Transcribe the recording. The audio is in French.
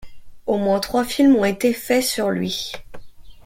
Au moins trois film ont été faits sur lui.